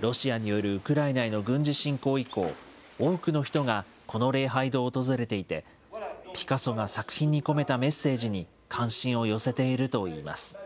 ロシアによるウクライナへの軍事侵攻以降、多くの人がこの礼拝堂を訪れていて、ピカソが作品に込めたメッセージに関心を寄せているといいます。